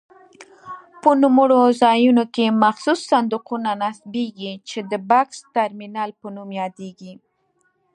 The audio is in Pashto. په نوموړو ځایونو کې مخصوص صندوقونه نصبېږي چې د بکس ترمینل په نوم یادیږي.